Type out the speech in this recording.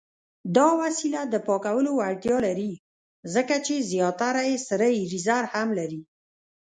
دا وسیله د پاکولو وړتیا لري، ځکه چې زیاتره یې سره ایریزر هم لري.